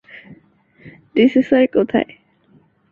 DC sir কোথায়?